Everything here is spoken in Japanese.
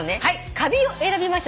「カビ」を選びました